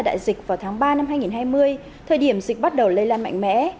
đại dịch vào tháng ba năm hai nghìn hai mươi thời điểm dịch bắt đầu lây lan mạnh mẽ